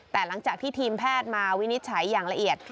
แต่หลังจากที่ทีมแพทย์มาวินิจฉัยอย่างละเอียด